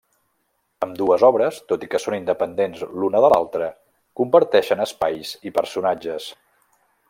Ambdues obres, tot i que són independents l'una de l'altra, comparteixen espais i personatges.